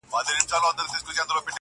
لکه برېښنا هسي د ژوند پر مزار وځلېده-